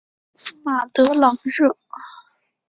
马德朗热。